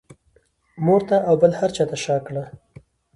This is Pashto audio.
مور ته او بل هر چا ته شا کړه.